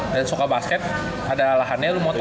dan suka basket ada alahannya lu moto